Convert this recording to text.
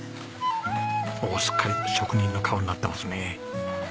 おおすっかり職人の顔になってますね。